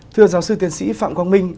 thưa giáo sư tiến sĩ phạm quang minh